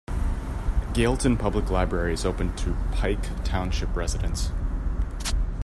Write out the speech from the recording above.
Galeton Public Library is open to Pike Township residents.